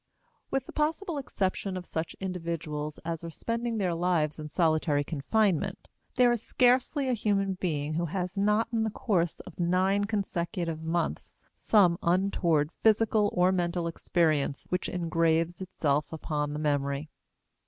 With the possible exception of such individuals as are spending their lives in solitary confinement, there is scarcely a human being who has not in the course of nine consecutive months some untoward physical or mental experience which engraves itself upon the memory.